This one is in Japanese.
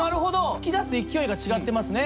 噴き出す勢いが違ってますね。